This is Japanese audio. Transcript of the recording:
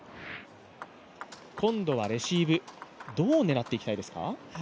今度はレシーブ、どう狙っていきたいですか？